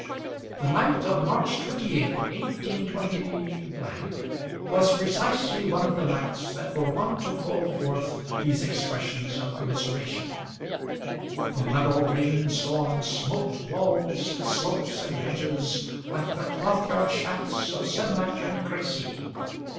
The night of March 28, 182 , was precisely one of the nights that were wont to call forth these expressions of commiseration. The level rain storm smote walls, slopes, and hedges like the cloth yard shafts of Senlac and Crecy.